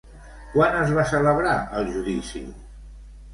Quan es va celebrar el judici?